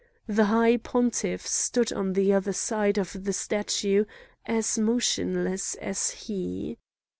The high pontiff stood on the other side of the statue as motionless as he.